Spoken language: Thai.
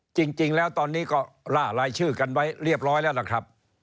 จริงแล้วตอนนี้ก็ล่ารายชื่อกันไว้เรียบร้อยแล้วล่ะครับ